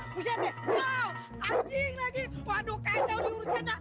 buset ya wow anjing lagi waduh kacau diurusin